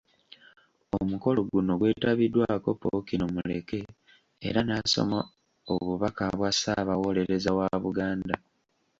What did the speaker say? Omukolo guno gwetabiddwako Ppookino Muleke era n’asoma obubaka bwa Ssaabawolereza wa Buganda.